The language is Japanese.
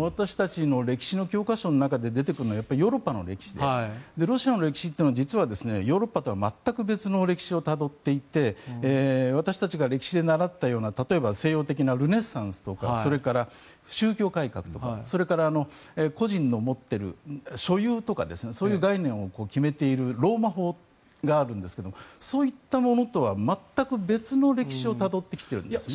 私たちの歴史の教科書の中で出てくるのはヨーロッパの歴史でロシアの歴史というのは実はヨーロッパとは全く違う歴史をたどっていて私たちが歴史で習ったような西洋的なルネサンスとかそれから宗教改革とかそれから個人の持っている所有とかそういう概念を決めているローマ法があるんですがそういったものとは全く別の歴史をたどってきているんですね。